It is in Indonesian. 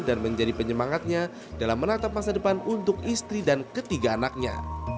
dan menjadi penyemangatnya dalam menatap masa depan untuk istri dan ketiga anaknya